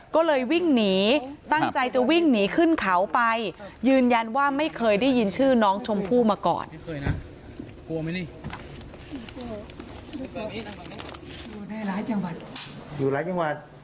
ก็เลยวิ่งหนีตั้งใจจะวิ่งหนีขึ้นเขาไปยืนยันว่าไม่เคยได้ยินชื่อน้องชมพู่มาก่อน